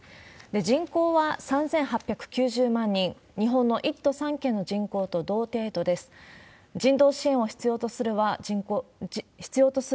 人口は３８９０万人、日本の１都３県の人口と同程度です。